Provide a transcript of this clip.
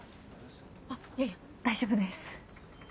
あいやいや大丈夫です。